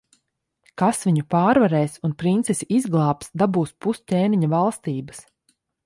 Kas viņu pārvarēs un princesi izglābs, dabūs pus ķēniņa valstības.